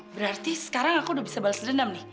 berarti sekarang aku udah bisa balas dendam nih